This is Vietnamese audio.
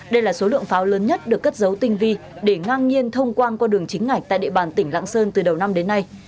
đây là số lượng pháo lớn nhất được cất dấu tinh vi để ngang nhiên thông quan qua đường chính ngạch tại địa bàn tỉnh lạng sơn từ đầu năm đến nay